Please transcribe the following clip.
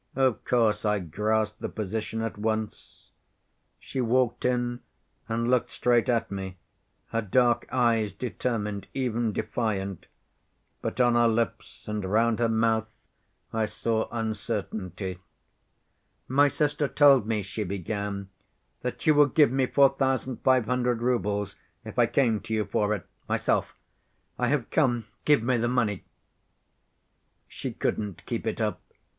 Of course I grasped the position at once. She walked in and looked straight at me, her dark eyes determined, even defiant, but on her lips and round her mouth I saw uncertainty. " 'My sister told me,' she began, 'that you would give me 4,500 roubles if I came to you for it—myself. I have come ... give me the money!' "She couldn't keep it up.